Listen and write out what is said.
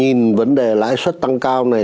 chúng ta nhìn vấn đề lãi xuất tăng cao này